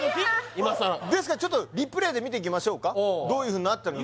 今さらですがちょっとリプレイで見ていきましょうかどういうふうになってるのか